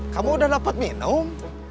kamu udah dapat minum